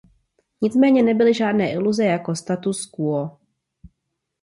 Nicméně nebyly žádné iluze jako status quo.